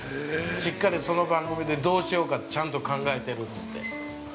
しっかりその番組でどうしようか、ちゃんと考えてるって。